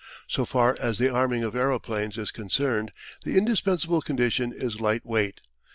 So far as the arming of aeroplanes is concerned the indispensable condition is light weight.